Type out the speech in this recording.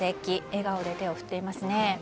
笑顔で手を振っていますね。